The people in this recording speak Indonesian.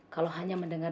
kalau hanya mendengar